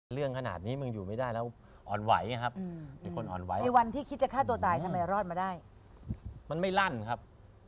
เรื่องขนาดนี้มึงอยู่ไม่ได้แล้วอ่อนไหวไงครับมีคนอ่อนไหวในวันที่คิดจะฆ่าตัวตายทำไมรอดมาได้มันไม่ลั่นครับ